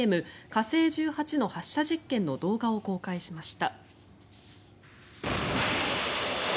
火星１８の発射実験の動画を公開しました。